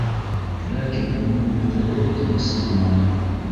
Ләкин уның йоҡоһо тыныс булманы.